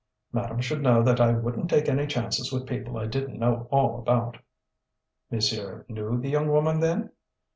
Madame should know that I wouldn't take any chances with people I didn't know all about." "Monsieur knew the young woman, then?"